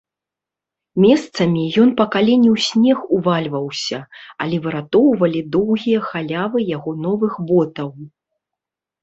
Месцамі ён па калені ў снег увальваўся, але выратоўвалі доўгія халявы яго новых ботаў.